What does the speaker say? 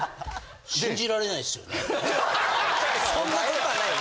そんなことはない